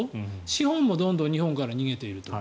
資本もどんどん日本から逃げていると。